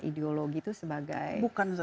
ideologi itu sebagai alasan